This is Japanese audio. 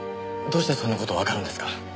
どうしてそんな事わかるんですか？